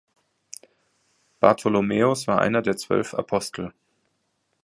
Bartholomäus war einer der zwölf Apostel.